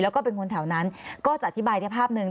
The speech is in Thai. แล้วก็เป็นคนแถวนั้นก็จะอธิบายได้ภาพหนึ่ง